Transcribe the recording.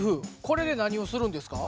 これで何をするんですか？